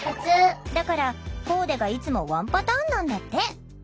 だからコーデがいつもワンパターンなんだって。